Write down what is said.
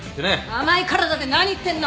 甘い体で何言ってんの。